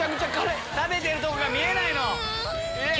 食べてるとこが見えないの。